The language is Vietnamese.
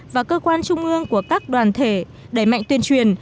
và cơ quan trung ương của các đoàn thể đẩy mạnh tuyên truyền